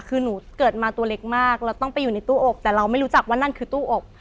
คือหนูเกิดมาตัวเล็กมากเราต้องไปอยู่ในตู้อบแต่เราไม่รู้จักว่านั่นคือตู้อบ